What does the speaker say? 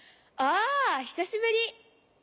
ああひさしぶり！